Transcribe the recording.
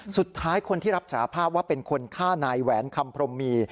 สุดท้ายคนที่รับสารภาพว่าเป็นคนฆ่านายแหวนคำพรมมี